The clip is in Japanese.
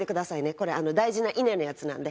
これ大事な稲のやつなんで。